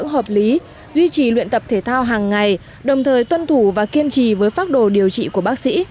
hợp lý duy trì luyện tập thể thao hàng ngày đồng thời tuân thủ và kiên trì với pháp đồ điều trị của bác sĩ